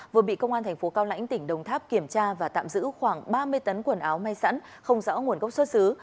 vừa bị công an thành phố cao lãnh tỉnh đồng tháp kiểm tra và tạm giữ khoảng ba mươi tấn quần áo may sẵn không rõ nguồn gốc xuất xứ